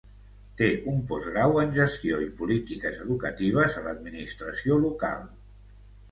Té un postgrau en gestió i polítiques educatives a l'Administració local.